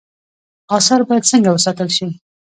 آثار باید څنګه وساتل شي؟